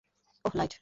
ওহ, light.